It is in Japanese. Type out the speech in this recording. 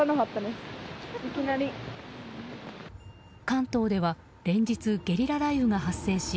関東では連日ゲリラ雷雨が発生し